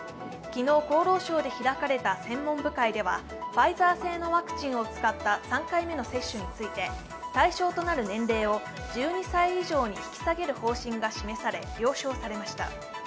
昨日、厚労省で開かれた専門部会ではファイザー製ワクチンを使った３回目の接種について対象となる年齢を１２歳以上に引き下げる方針が示され、了承されました。